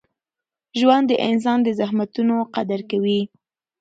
ژوند د انسان د زحمتونو قدر کوي.